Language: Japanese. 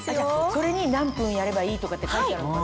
それに何分やればいいとかって書いてあるのかな？